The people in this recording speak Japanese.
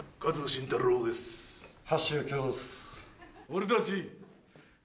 俺たち。